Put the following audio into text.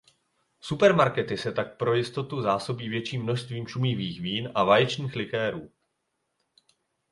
Supermarkety se tak pro jistotu zásobí větším množstvím šumivých vín a vaječných likérů.